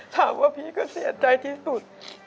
ถามว่าพี่ก็เสียใจที่สุด